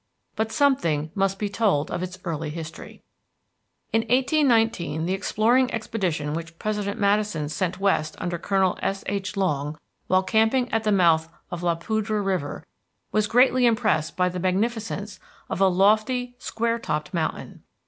But something must be told of its early history. In 1819 the exploring expedition which President Madison sent west under Colonel S.H. Long, while camping at the mouth of La Poudre River, was greatly impressed by the magnificence of a lofty, square topped mountain.